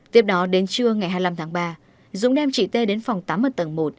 tiếp đó đến trưa ngày hai mươi năm tháng ba dũng đem chị tê đến phòng tắm ở tầng một